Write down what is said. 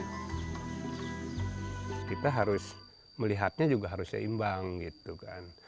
kita harus melihatnya juga harusnya imbang gitu kan